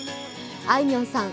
あいみょんさん